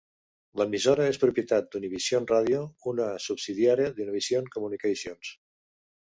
L'emissora és propietat d'Univision Radio, una subsidiària d'Univision Communications.